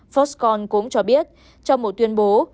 foxconn cũng cho biết trong một tuyên bố